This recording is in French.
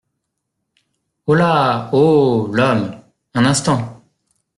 Holà ! oh ! l’homme !… un instant !